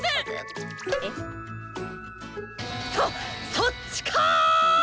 そっちか！